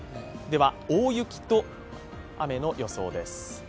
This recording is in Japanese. では、大雪と雨の予想です。